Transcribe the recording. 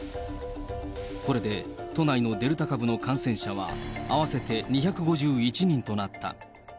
これで都内のデルタ株の感染者は合わせて２５１人となった。